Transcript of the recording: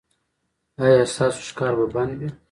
ایا ستاسو ښکار به بند وي؟